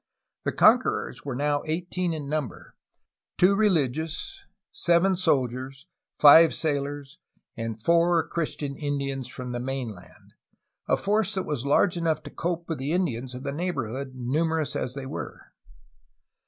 The conquerors were now eighteen in number, — two religious, seven soldiers, five sailors, and four Christian Indians from the mainland, — a force that was large enough to cope with the Indians of the neighborhood, numerous as they were.